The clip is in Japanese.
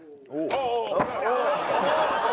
ああ。